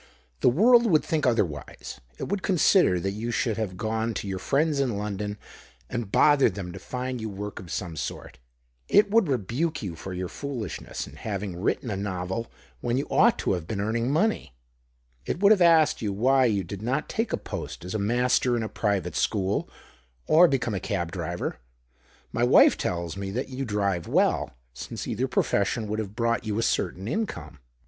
The vorld would think otherwise ; it would con ider that you should have gone to your 98 THE OCTAVE OP CLAUDIUS. friends in London, and bothered tliem to find you work of some sort ; it would rebuke you for your foolishness in having written a novel when you ought to have been earning money ; it would have asked you why you did not take a post as a master in a private school, or become a cab driver — my wdfe tells me that you drive well — since either profession would have brought you a certain income."